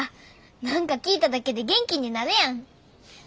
何か聞いただけで元気になるやん。